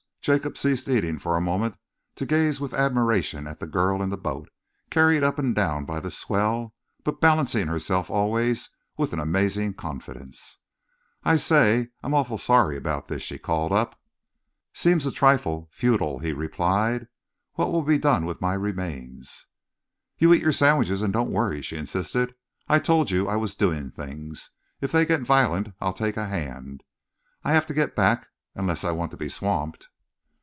Jacob ceased eating for a moment to gaze with admiration at the girl in the boat, carried up and down by the swell, but balancing herself always with an amazing confidence. "I say, I'm awfully sorry about this," she called up. "Seems a trifle feudal," he replied. "What will be done with my remains?" "You eat your sandwiches and don't worry," she insisted. "I told you I was doing things. If they get violent, I'll take a hand. I'll have to get back unless I want to be swamped."...